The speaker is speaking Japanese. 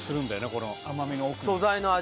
この甘みの奥に素材の味？